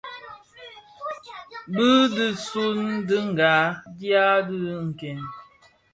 Bi dhi suň dhighan dya dhi nken.